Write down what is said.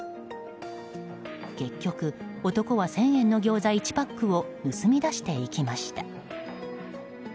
結局、男は１０００円のギョーザ１パックを盗み出していきました。